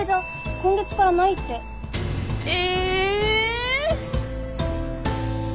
今月からないってえ！